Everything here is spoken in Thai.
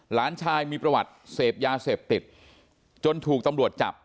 หลานชายมีประวัติเสพยาเสพติดจนถูกตำรวจจับ